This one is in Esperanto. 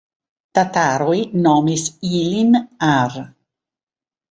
Tataroj nomis ilin Ar.